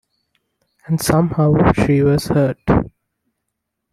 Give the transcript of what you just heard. And somehow, she was hurt.